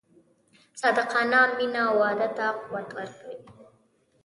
صادقانه مینه واده ته قوت ورکوي.